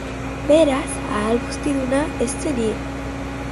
Beraz, Ahalguztiduna ez zen hil.